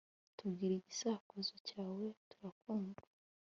tubwire igisakuzo cyawe, turakumva